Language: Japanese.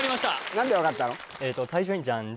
何で分かったの？